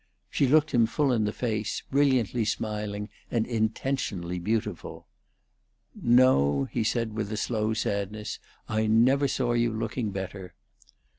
She looked him full in the face, brilliantly smiling, and intentionally beautiful. "No," he said, with a slow sadness; "I never saw you looking better."